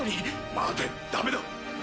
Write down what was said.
待てダメだ。